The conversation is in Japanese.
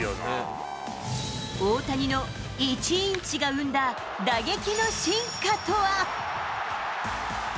大谷の１インチが生んだ打撃の進化とは。